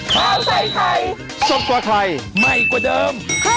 โปรดติดตามตอนต่อไป